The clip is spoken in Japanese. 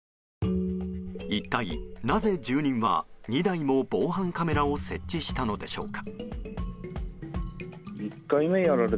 一体なぜ住人は２台も防犯カメラを設置したのでしょうか。